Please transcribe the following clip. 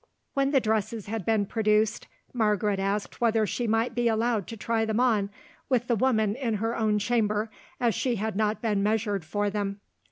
When the dresses had been produced, Margaret asked whether she might be allowed to try them on with the woman in her own chamber, as she had not been measured for them.